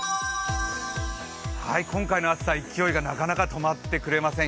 今回の暑さ、勢いがなかなか止まってくれません。